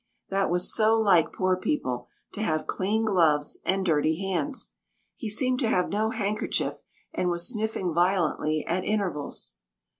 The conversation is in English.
That was so like poor people to have clean gloves and dirty hands. He seemed to have no handkerchief, and was sniffing violently at intervals.